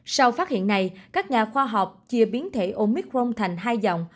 sau phát hiện này các nhà khoa học chia biến thể omicron thành hai dòng